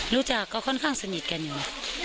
รู้จักก็ค่อนข้างสนิทกันอยู่